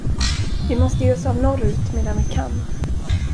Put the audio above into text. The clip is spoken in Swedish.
Vi måste ge oss av norrut medan vi kan.